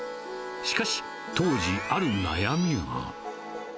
しかし、当時、ある悩みが。